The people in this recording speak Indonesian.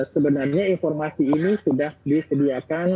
sebenarnya informasi ini sudah disediakan